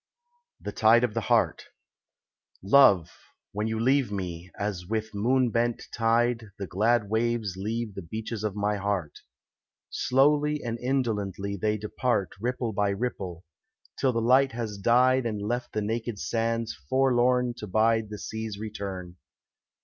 THE TIDE OF THE HEART Love, when you leave me, as with moon bent tide The glad waves leave the beaches of my heart; Slowly and indolently they depart Ripple by ripple, till the light has died And left the naked sands forlorn to bide The sea's return.